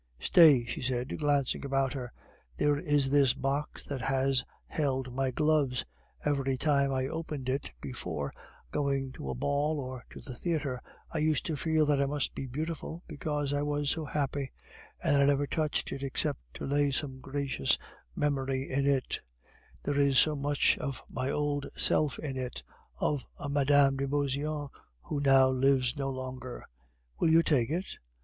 Stay," she said, glancing about her, "there is this box that has held my gloves. Every time I opened it before going to a ball or to the theatre, I used to feel that I must be beautiful, because I was so happy; and I never touched it except to lay some gracious memory in it: there is so much of my old self in it, of a Madame de Beauseant who now lives no longer. Will you take it?